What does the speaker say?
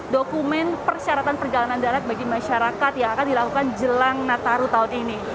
dokumen persyaratan perjalanan darat bagi masyarakat yang akan dilakukan jelang nataru tahun ini